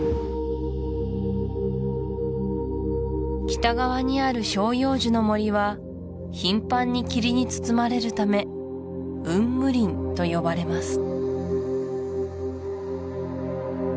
北側にある照葉樹の森は頻繁に霧に包まれるため雲霧林とよばれます